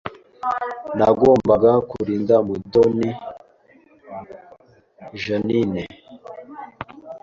Nagombaga kurinda Mutoni Jeaninne